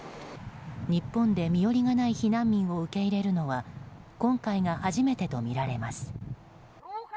日本で身寄りがない避難民を受け入れるのは今回が初めてとみられます。